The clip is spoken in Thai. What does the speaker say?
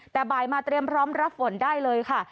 แต่บ่ายมาเตรียมพร้อมรับฝนได้เลยค่ะ